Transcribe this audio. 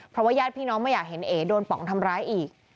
เพราะว่าญาติพี่น้องไม่อยากเห็นเอ๋โดนป๋องทำร้ายอีก